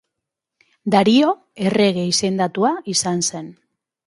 Dario, errege izendatua izan zen.